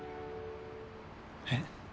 えっ？